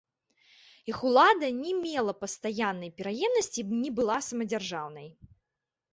Іх улада не мела пастаяннай пераемнасці і не была самадзяржаўнай.